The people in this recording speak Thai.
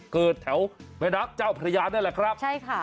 เกิดแถวแมนักเจ้าพระญาณนั่นแหละครับ